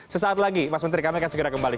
sesaat lagi mas menteri kami akan segera kembali